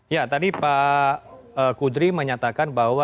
ya tadi pak kudri menyatakan bahwa